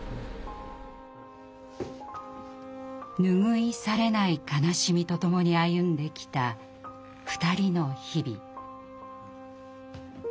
拭い去れない悲しみとともに歩んできた２人の日々。